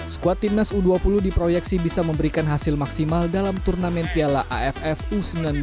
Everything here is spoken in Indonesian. skuad timnas u dua puluh diproyeksi bisa memberikan hasil maksimal dalam turnamen piala aff u sembilan belas dua ribu dua puluh empat